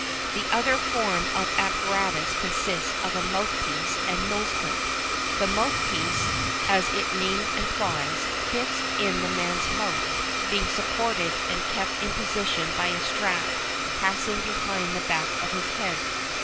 The other form of apparatus consists of a mouth piece and nose clip. The mouth piece, as its name implies, fits in the man's mouth, being supported and kept in position by a strap passing behind the back of his head.